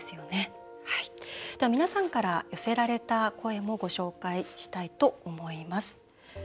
皆さんから寄せられた声もご紹介したいと思います。